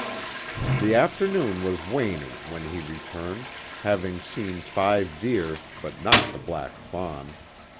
The afternoon was waning when he returned, having seen five deer but not the black fawn.